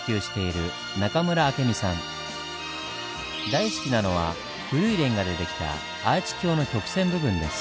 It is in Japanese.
大好きなのは古いレンガで出来たアーチ橋の曲線部分です。